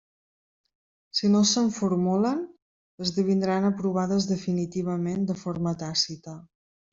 Si no se'n formulen, esdevindran aprovades definitivament de forma tàcita.